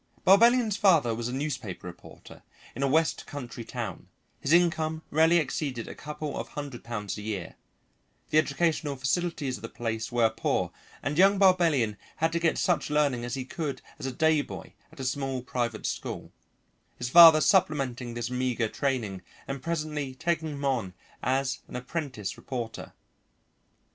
Barbellion's father was a newspaper reporter in a west country town, his income rarely exceeded a couple of hundred pounds a year; the educational facilities of the place were poor, and young Barbellion had to get such learning as he could as a day boy at a small private school, his father supplementing this meagre training and presently taking him on as an apprentice reporter.